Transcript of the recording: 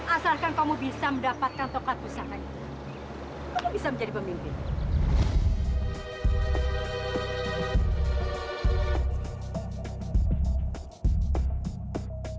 asalkan kamu bisa mendapatkan tokat pusaka itu kamu bisa menjadi pemimpin